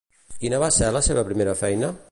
Quina va ser la seva primera feina?